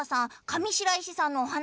上白石さんのお話